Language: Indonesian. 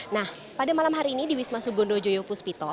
nah pada malam hari ini di wisma sugondo joyo puspito